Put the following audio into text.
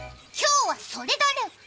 今日はそれだね！